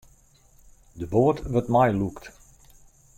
De boat wurdt meilûkt.